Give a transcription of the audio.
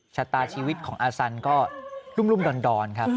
ชะตาชีวิตของอาสันก็รุ่มดอนครับ